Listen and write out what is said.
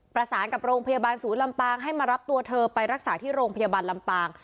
ประสานกับโรงพยาบาลศูนย์ลำปางให้มารับตัวเธอไปรักษาที่โรงพยาบาลลำปาง